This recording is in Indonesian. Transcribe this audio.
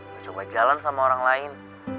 gue coba jalan sama orang lain